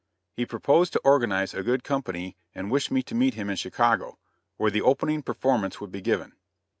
He proposed to organize a good company, and wished me to meet him in Chicago, where the opening performance would be given.